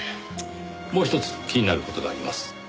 もうひとつ気になる事があります。